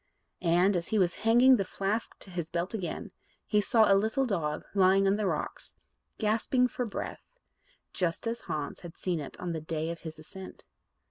And, as he was hanging the flask to his belt again, he saw a little dog lying on the rocks, gasping for breath just as Hans had seen it on the day of his ascent.